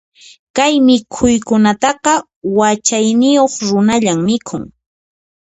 Kay mikhuykunataqa, yachayniyuq runalla mikhun.